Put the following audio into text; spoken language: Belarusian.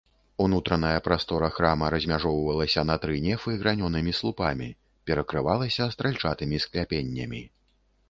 Унутраная прастора храма размяжоўвалася на тры нефы гранёнымі слупамі, перакрывалася стральчатымі скляпеннямі.